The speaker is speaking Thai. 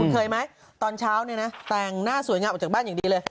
เคยไหมตอนเช้าเนี่ยนะแต่งหน้าสวยงามออกจากบ้านอย่างดีเลย